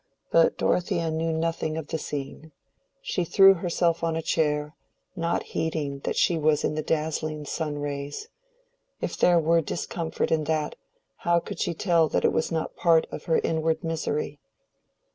But Dorothea knew nothing of the scene. She threw herself on a chair, not heeding that she was in the dazzling sun rays: if there were discomfort in that, how could she tell that it was not part of her inward misery?